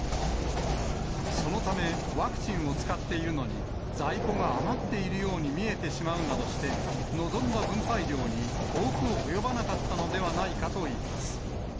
そのため、ワクチンを使っているのに在庫が余っているように見えてしまうなどして、望んだ分配量に遠く及ばなかったのではないかといいます。